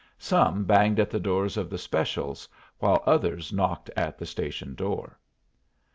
Some banged at the doors of the specials, while others knocked at the station door.